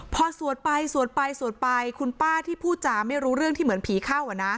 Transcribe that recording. พอสวดไปสวดไปสวดไปคุณป้าที่พูดจาไม่รู้เรื่องที่เหมือนผีเข้า